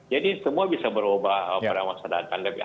jadi semua bisa berubah pada masa datang